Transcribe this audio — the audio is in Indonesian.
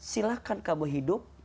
silahkan kamu hidup